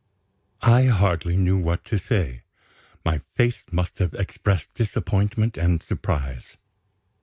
I hardly knew what to say. My face must have expressed disappointment and surprise.